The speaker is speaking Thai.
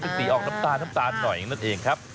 เป็นสีออกน้ำตาลน้ำตาลหน่อยนั่นเองครับ